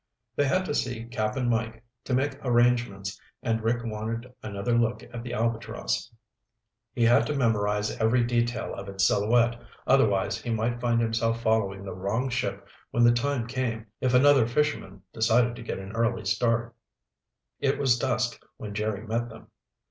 They had to see Cap'n Mike to make arrangements and Rick wanted another look at the Albatross. He had to memorize every detail of its silhouette, otherwise he might find himself following the wrong ship when the time came if another fisherman decided to get an early start. It was dusk when Jerry met them.